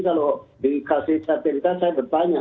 kalau dikasih satelita saya bertanya